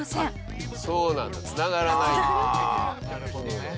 そうなんだつながらないんだ。